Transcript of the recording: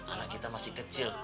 anak kita masih kecil